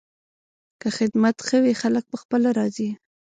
که خدمت ښه وي، خلک پخپله راځي.